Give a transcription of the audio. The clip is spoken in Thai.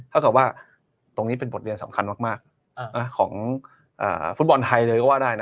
ถ้าเกิดว่าตรงนี้เป็นบทเรียนสำคัญมากของฟุตบอลไทยเลยก็ว่าได้นะ